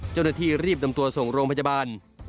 เจ้าหน้าที่รีบนำตัวส่งโรงพยาบาล